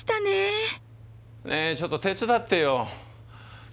ねえちょっと手伝ってよ。